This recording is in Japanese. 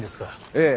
ええ。